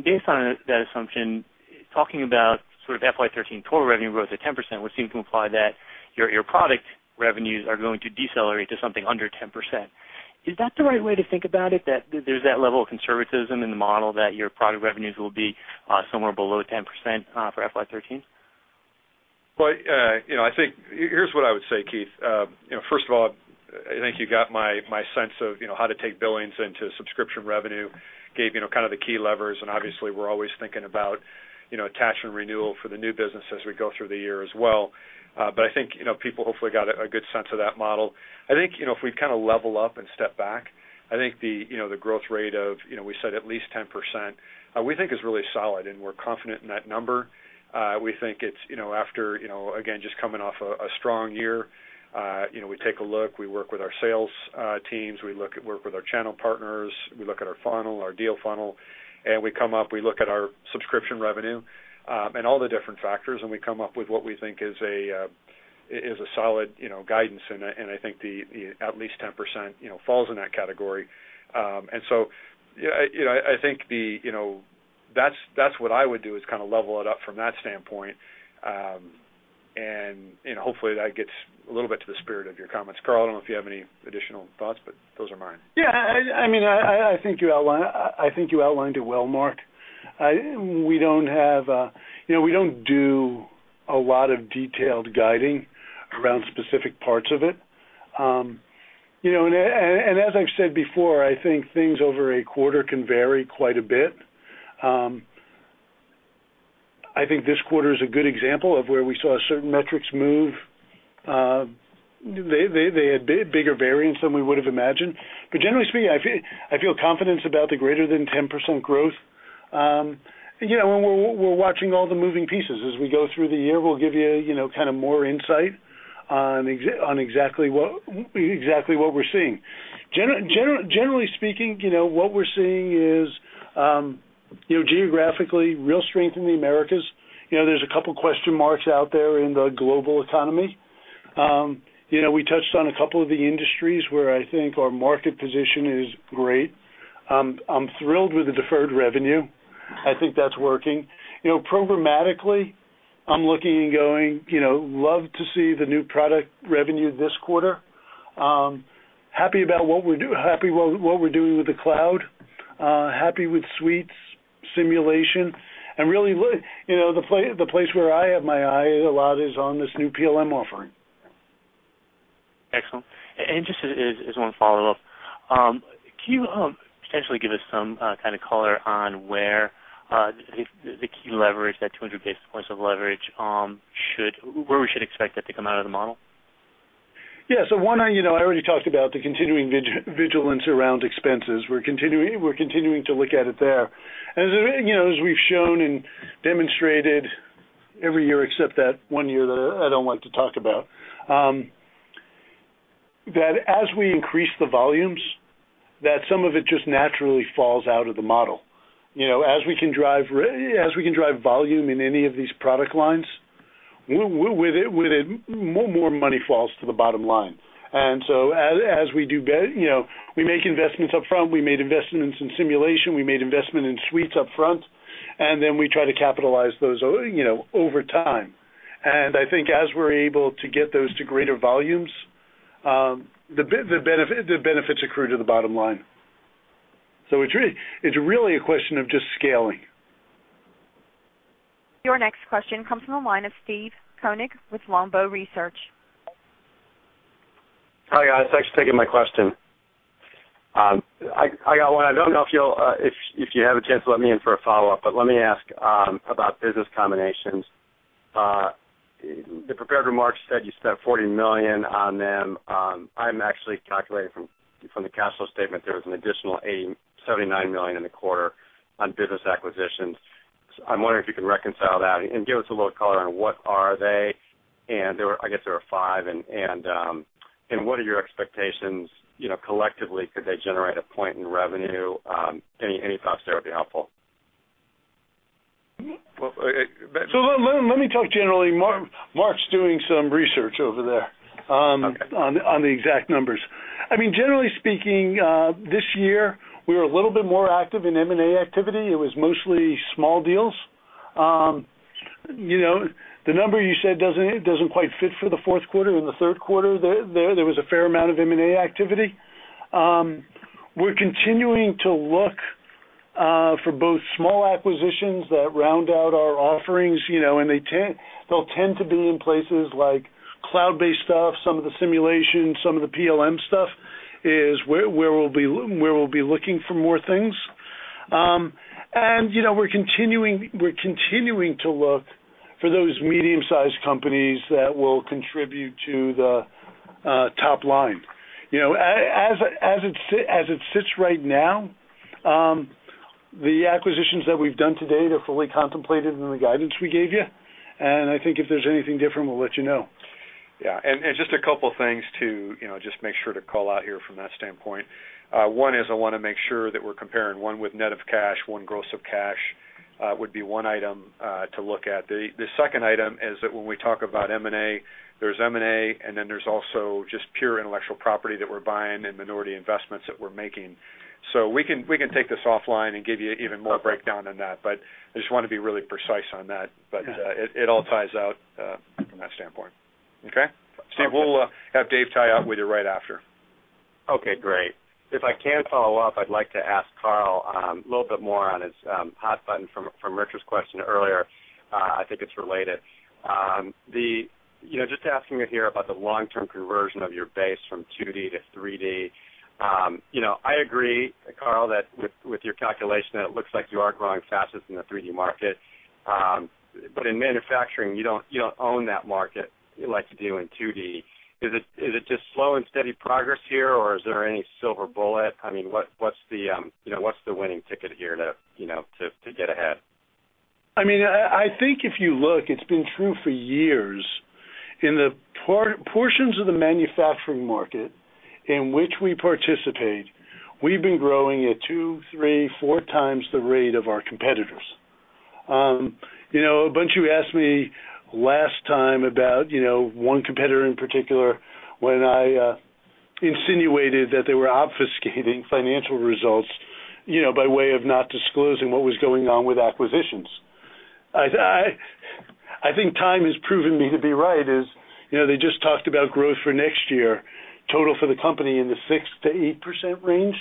Based on that assumption, talking about sort of FY 2013 total revenue growth at 10% would seem to imply that your product revenues are going to decelerate to something under 10%. Is that the right way to think about it, that there's that level of conservatism in the model that your product revenues will be somewhere below 10% for FY 2013? I think here's what I would say, Keith. First of all, I think you got my sense of how to take billings into subscription revenue, gave kind of the key levers. Obviously, we're always thinking about attachment renewal for the new business as we go through the year as well. I think people hopefully got a good sense of that model. If we kind of level up and step back, the growth rate of, we said at least 10%, we think is really solid. We're confident in that number. We think it's, after just coming off a strong year, we take a look, we work with our sales teams, we work with our channel partners, we look at our funnel, our deal funnel, and we look at our subscription revenue and all the different factors, and we come up with what we think is solid guidance. I think the at least 10% falls in that category. I think that's what I would do is kind of level it up from that standpoint. Hopefully, that gets a little bit to the spirit of your comments. Carl, I don't know if you have any additional thoughts, but those are mine. Yeah, I mean, I think you outlined it well. Mark, we don't have, you know, we don't do a lot of detailed guiding around specific parts of it. As I've said before, I think things over a quarter can vary quite a bit. I think this quarter is a good example of where we saw certain metrics move. They had bigger variance than we would have imagined. Generally speaking, I feel confidence about the greater than 10% growth. We're watching all the moving pieces. As we go through the year, we'll give you more insight on exactly what we're seeing. Generally speaking, what we're seeing is, geographically, real strength in the Americas. There's a couple of question marks out there in the global economy. We touched on a couple of the industries where I think our market position is great. I'm thrilled with the deferred revenue. I think that's working. Programmatically, I'm looking and going, love to see the new product revenue this quarter. Happy about what we're doing, happy with what we're doing with the cloud, happy with suites, simulation, and really, the place where I have my eye a lot is on this new PLM offering. Excellent. Just as one follow-up, can you potentially give us some kind of color on where the key leverage, that 200 basis points of leverage, should, where we should expect that to come out of the model? Yeah, so one on, you know, I already talked about the continuing vigilance around expenses. We're continuing to look at it there. As you know, as we've shown and demonstrated every year except that one year that I don't like to talk about, that as we increase the volumes, some of it just naturally falls out of the model. You know, as we can drive volume in any of these product lines, with it, more money falls to the bottom line. As we do, you know, we make investments upfront. We made investments in simulation. We made investments in suites upfront. We try to capitalize those, you know, over time. I think as we're able to get those to greater volumes, the benefits accrue to the bottom line. It's really a question of just scaling. Your next question comes from a line of Steve Koenig with Lombard Research. Hi guys, thanks for taking my question. I got one. I don't know if you'll, if you have a chance to let me in for a follow-up, but let me ask about business combinations. The prepared remarks said you spent $40 million on them. I'm actually calculating from the cash flow statement there was an additional $79 million in the quarter on business acquisitions. I'm wondering if you could reconcile that and give us a little color on what are they, and I guess there are five, and what are your expectations, you know, collectively could they generate a point in revenue? Any thoughts there would be helpful. Let me talk generally. Mark's doing some research over there on the exact numbers. Generally speaking, this year, we were a little bit more active in M&A activity. It was mostly small deals. The number you said doesn't quite fit for the fourth quarter. In the third quarter, there was a fair amount of M&A activity. We're continuing to look for both small acquisitions that round out our offerings, and they tend, they'll tend to be in places like cloud-based stuff, some of the simulation, some of the PLM stuff is where we'll be looking for more things. We're continuing to look for those medium-sized companies that will contribute to the top line. As it sits right now, the acquisitions that we've done today, they're fully contemplated in the guidance we gave you. I think if there's anything different, we'll let you know. Yeah, just a couple of things to make sure to call out here from that standpoint. One is I want to make sure that we're comparing one with net of cash, one gross of cash would be one item to look at. The second item is that when we talk about M&A, there's M&A, and then there's also just pure intellectual property that we're buying and minority investments that we're making. We can take this offline and give you even more breakdown on that. I just want to be really precise on that. It all ties out from that standpoint. Okay? Steve, we'll have Dave tie up with you right after. Okay, great. If I can follow up, I'd like to ask Carl a little bit more on his hot button from Richard's question earlier. I think it's related. You know, just asking it here about the long-term conversion of your base from 2D to 3D. I agree, Carl, that with your calculation, it looks like you are growing fastest in the 3D market. In manufacturing, you don't own that market like you do in 2D. Is it just slow and steady progress here, or is there any silver bullet? What's the winning ticket here to get ahead? I mean, I think if you look, it's been true for years. In the portions of the manufacturing market in which we participate, we've been growing at two, three, four times the rate of our competitors. A bunch of you asked me last time about one competitor in particular when I insinuated that they were obfuscating financial results by way of not disclosing what was going on with acquisitions. I think time has proven me to be right. They just talked about growth for next year, total for the company in the 6%-8% range.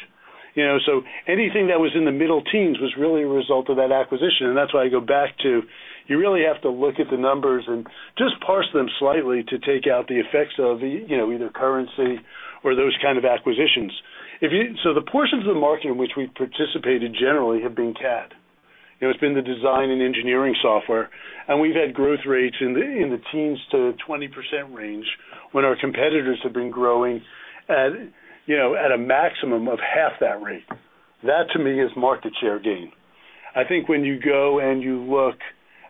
Anything that was in the middle teens was really a result of that acquisition. That's why I go back to you really have to look at the numbers and just parse them slightly to take out the effects of either currency or those kinds of acquisitions. The portions of the market in which we participated generally have been CAD. It's been the design and engineering software. We've had growth rates in the teens to 20% range when our competitors have been growing at, at a maximum, half that rate. That, to me, is market share gain. I think when you go and you look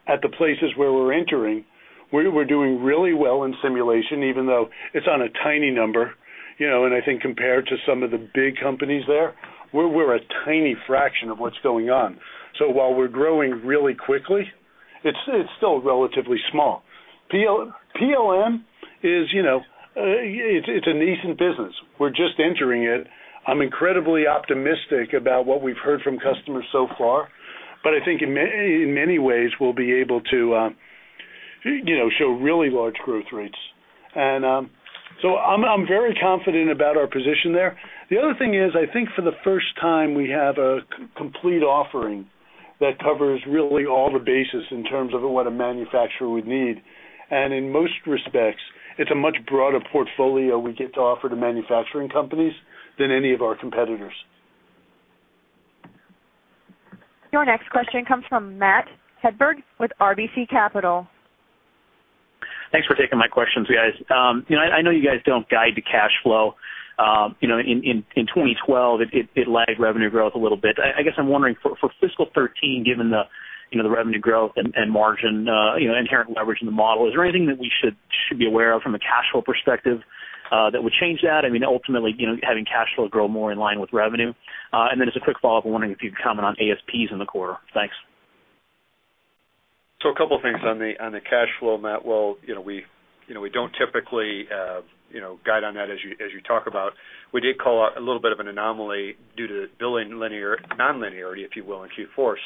at the places where we're entering, we're doing really well in simulation, even though it's on a tiny number. I think compared to some of the big companies there, we're a tiny fraction of what's going on. While we're growing really quickly, it's still relatively small. PLM is a nascent business. We're just entering it. I'm incredibly optimistic about what we've heard from customers so far. I think in many ways, we'll be able to show really large growth rates. I'm very confident about our position there. The other thing is, I think for the first time, we have a complete offering that covers really all the bases in terms of what a manufacturer would need. In most respects, it's a much broader portfolio we get to offer to manufacturing companies than any of our competitors. Your next question comes from Matt Hedberg with RBC Capital. Thanks for taking my questions, guys. I know you guys don't guide the cash flow. In 2012, it lagged revenue growth a little bit. I guess I'm wondering, for fiscal 2013, given the revenue growth and margin, inherent leverage in the model, is there anything that we should be aware of from a cash flow perspective that would change that? I mean, ultimately, having cash flow grow more in line with revenue. As a quick follow-up, I'm wondering if you could comment on ASPs in the quarter. Thanks. A couple of things on the cash flow, Matt. We don't typically guide on that as you talk about. We did call out a little bit of an anomaly due to the billing linear nonlinearity, if you will, in Q4.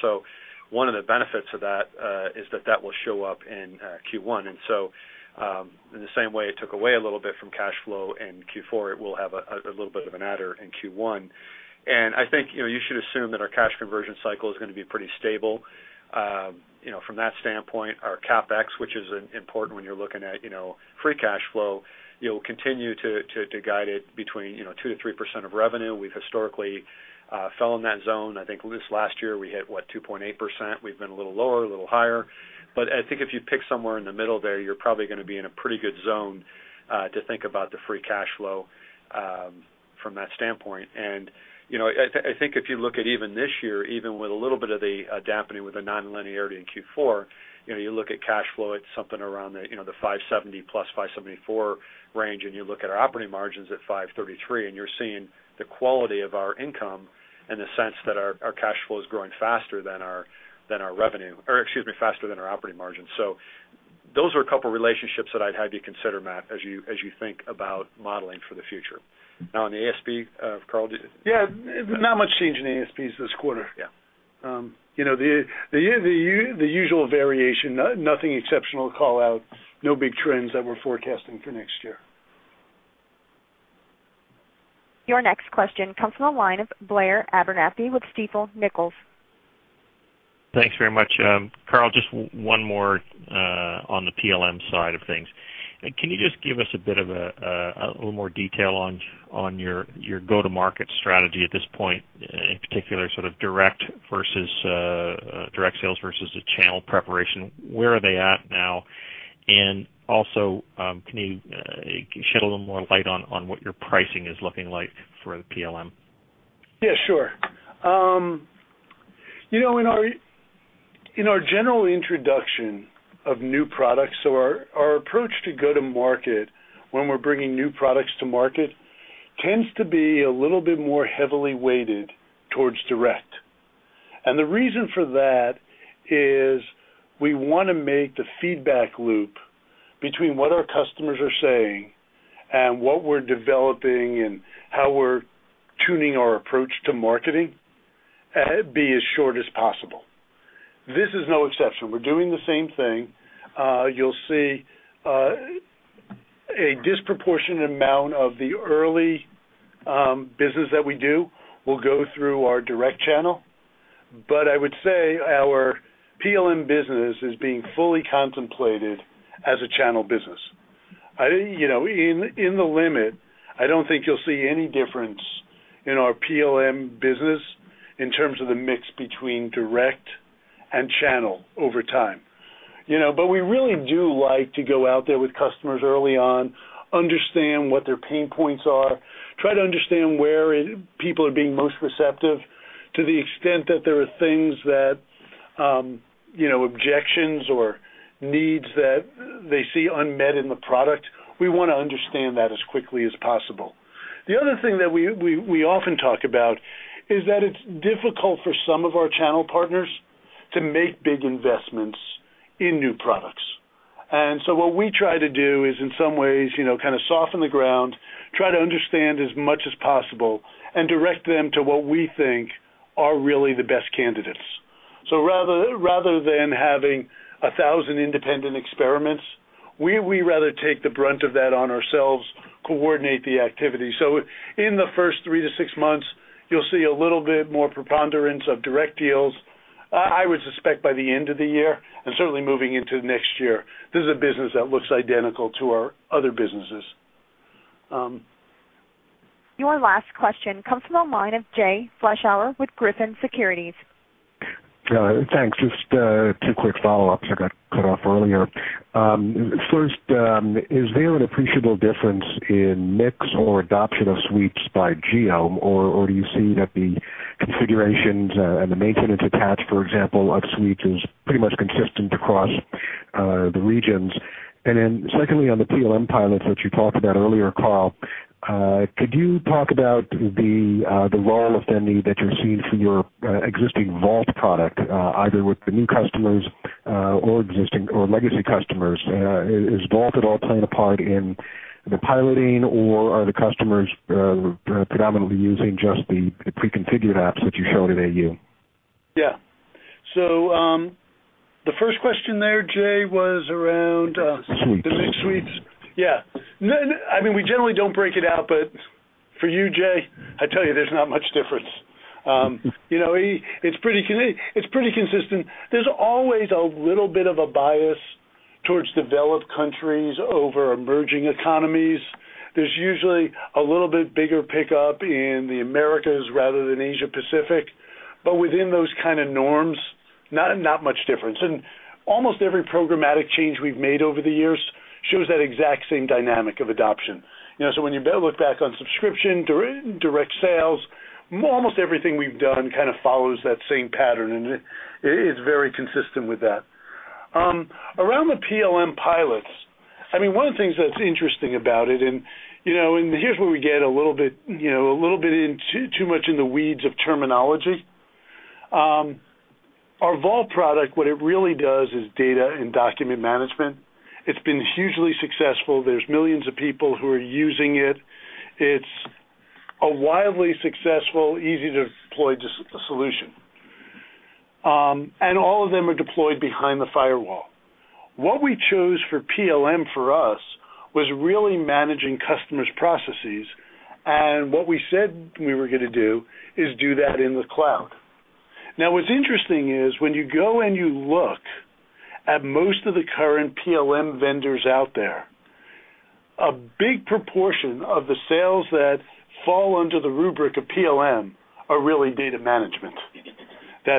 One of the benefits of that is that will show up in Q1. In the same way, it took away a little bit from cash flow in Q4, it will have a little bit of an adder in Q1. I think you should assume that our cash conversion cycle is going to be pretty stable. From that standpoint, our CapEx, which is important when you're looking at free cash flow, you'll continue to guide it between 2%-3% of revenue. We've historically fell in that zone. I think this last year we hit, what, 2.8%. We've been a little lower, a little higher. If you pick somewhere in the middle there, you're probably going to be in a pretty good zone to think about the free cash flow from that standpoint. I think if you look at even this year, even with a little bit of the dampening with the nonlinearity in Q4, you look at cash flow at something around the 570+, 574 range, and you look at our operating margins at 533, and you're seeing the quality of our income in the sense that our cash flow is growing faster than our revenue, or excuse me, faster than our operating margins. Those are a couple of relationships that I'd have you consider, Matt, as you think about modeling for the future. Now, on the ASP, Carl? Yeah, not much change in the ASPs this quarter. The usual variation, nothing exceptional to call out, no big trends that we're forecasting for next year. Your next question comes from a line of Blair Abernethy with Stifel. Thanks very much. Carl, just one more on the PLM side of things. Can you give us a bit of a little more detail on your go-to-market strategy at this point, in particular, sort of direct sales versus the channel preparation? Where are they at now? Also, can you shed a little more light on what your pricing is looking like for the PLM? Yeah, sure. In our general introduction of new products, our approach to go-to-market when we're bringing new products to market tends to be a little bit more heavily weighted towards direct. The reason for that is we want to make the feedback loop between what our customers are saying and what we're developing and how we're tuning our approach to marketing be as short as possible. This is no exception. We're doing the same thing. You'll see a disproportionate amount of the early business that we do will go through our direct channel. I would say our PLM business is being fully contemplated as a channel business. In the limit, I don't think you'll see any difference in our PLM business in terms of the mix between direct and channel over time. We really do like to go out there with customers early on, understand what their pain points are, try to understand where people are being most receptive to the extent that there are things that, you know, objections or needs that they see unmet in the product. We want to understand that as quickly as possible. The other thing that we often talk about is that it's difficult for some of our channel partners to make big investments in new products. What we try to do is, in some ways, kind of soften the ground, try to understand as much as possible, and direct them to what we think are really the best candidates. Rather than having a thousand independent experiments, we'd rather take the brunt of that on ourselves, coordinate the activity. In the first three to six months, you'll see a little bit more preponderance of direct deals. I would suspect by the end of the year, and certainly moving into the next year, this is a business that looks identical to our other businesses. Your last question comes from a line of Jay Vleeschhouwer with Griffin Securities. Thanks. Just two quick follow-ups. I got cut off earlier. First, is there an appreciable difference in mix or adoption of suites by GM, or do you see that the configurations and the maintenance attached, for example, of suites is pretty much consistent across the regions? Secondly, on the PLM pilots that you talked about earlier, Carl, could you talk about the role, if any, that you're seeing for your existing Vault product, either with the new customers or existing or legacy customers? Is Vault at all playing a part in the piloting, or are the customers predominantly using just the pre-configured apps that you showed in AU? Yeah. The first question there, Jay, was around the mixed suites. I mean, we generally don't break it out, but for you, Jay, I tell you, there's not much difference. It's pretty consistent. There's always a little bit of a bias towards developed countries over emerging economies. There's usually a little bit bigger pickup in the Americas rather than Asia-Pacific. Within those kind of norms, not much difference. Almost every programmatic change we've made over the years shows that exact same dynamic of adoption. When you look back on subscription, direct sales, almost everything we've done kind of follows that same pattern, and it's very consistent with that. Around the PLM pilots, one of the things that's interesting about it, and here's where we get a little bit too much in the weeds of terminology. Our Vault product, what it really does is data and document management. It's been hugely successful. There are millions of people who are using it. It's a wildly successful, easy-to-deploy solution. All of them are deployed behind the firewall. What we chose for PLM for us was really managing customers' processes. What we said we were going to do is do that in the cloud. What's interesting is when you go and you look at most of the current PLM vendors out there, a big proportion of the sales that fall under the rubric of PLM are really data management.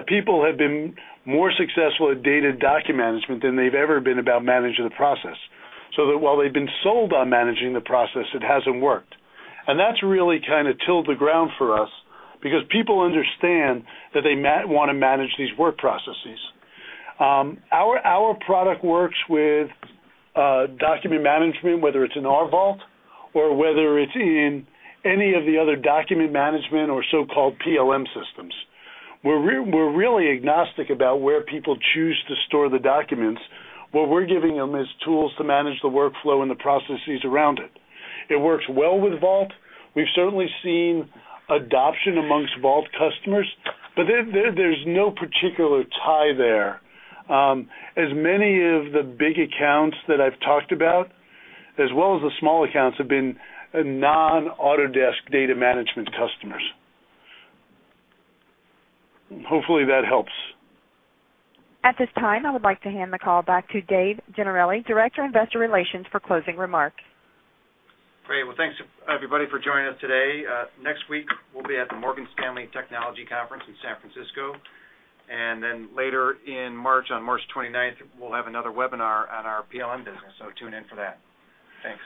People have been more successful at data document management than they've ever been about managing the process. While they've been sold on managing the process, it hasn't worked. That really kind of tilled the ground for us because people understand that they want to manage these work processes. Our product works with document management, whether it's in our Vault or whether it's in any of the other document management or so-called PLM systems. We're really agnostic about where people choose to store the documents. What we're giving them is tools to manage the workflow and the processes around it. It works well with Vault. We've certainly seen adoption amongst Vault customers, but there's no particular tie there. As many of the big accounts that I've talked about, as well as the small accounts, have been non-Autodesk data management customers. Hopefully, that helps. At this time, I would like to hand the call back to Dave Gennarelli, Director of Investor Relations, for closing remarks. Great. Thanks to everybody for joining us today. Next week, we'll be at the Morgan Stanley Technology Conference in San Francisco. Later in March, on March 29, we'll have another webinar on our PLM business. Tune in for that. Thanks.